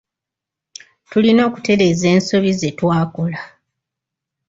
Tulina okutereeza ensobi ze twakola